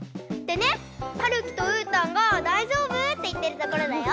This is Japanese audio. でねはるきとうーたんが「だいじょうぶ？」っていってるところだよ。